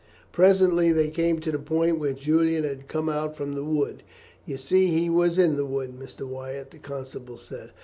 Presently they came to the point where Julian had come out from the wood. "You see he was in the wood, Mr. Wyatt," the constable said.